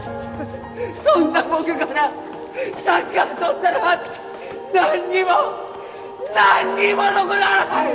そんな僕からサッカーとったら何にも何にも残らない！